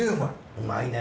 うまいね。